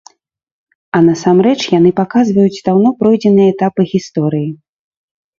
А насамрэч яны паказваюць даўно пройдзеныя этапы гісторыі.